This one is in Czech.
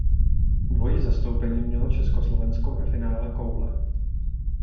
Dvojí zastoupení mělo Československo ve finále koule.